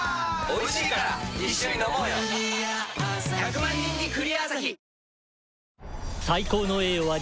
１００万人に「クリアアサヒ」